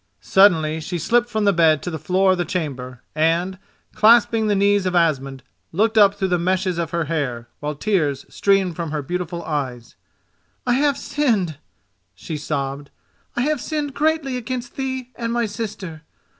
Suddenly she slipped from the bed to the floor of the chamber, and, clasping the knees of Asmund, looked up through the meshes of her hair, while tears streamed from her beautiful eyes: "I have sinned," she sobbed—"I have sinned greatly against thee and my sister.